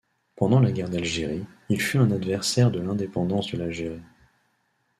Pendant la Guerre d'Algérie, il fut un adversaire de l'indépendance de l'Algérie.